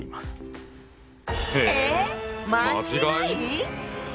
え間違い